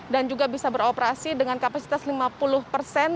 dan juga bisa beroperasi dengan kapasitas lima puluh persen